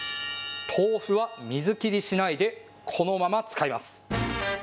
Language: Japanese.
豆腐は水切りしないでこのまま使います。